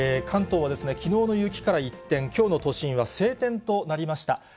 関東はきのうの雪から一転、きょうの都心は晴天となりました。